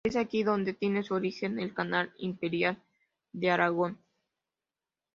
Es aquí donde tiene su origen el Canal Imperial de Aragón.